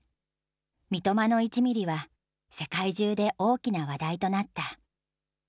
三笘の１ミリは世界中で大きな話題となった。